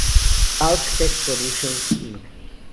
Talk Sex Productions Inc.